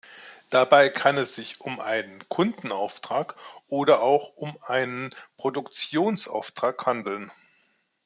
Dabei kann es sich um einen Kundenauftrag oder auch um einen Produktionsauftrag handeln.